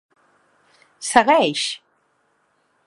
Segueix!